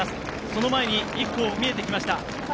その前に１校見えてきました。